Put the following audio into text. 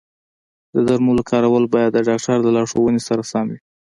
د درملو کارول باید د ډاکټر د لارښوونې سره سم وي.